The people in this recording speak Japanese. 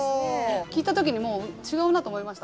聴いた時にもう違うなと思いました。